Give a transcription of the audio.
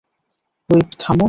Whip, থামো!